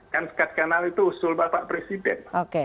kan sekat kanal itu usul bapak presiden